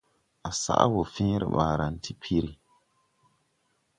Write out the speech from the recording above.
À saʼ wɔ fẽẽre ɓaaran ti piri.